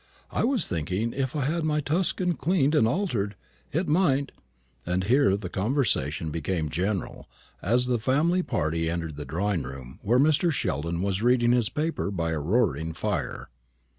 I was thinking, if I had my Tuscan cleaned and altered, it might " And here the conversation became general, as the family party entered the drawing room, where Mr. Sheldon was reading his paper by a roaring fire.